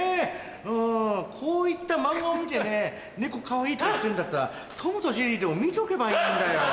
うんこういったまんまを見てね猫かわいいとか言ってんだったら『トムとジェリー』でも見とけばいいんだよ。